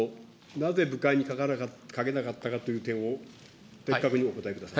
なぜ部会にかけなかったかという点を、的確にお答えください。